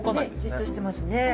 じっとしてますね。